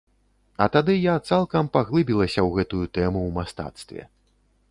А тады я цалкам паглыбілася ў гэтую тэму ў мастацтве.